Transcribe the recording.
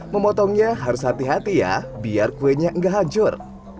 memotongnya harus hati hati ya biar kuenya enggak hancur